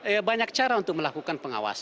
ya banyak cara untuk melakukan pengawasan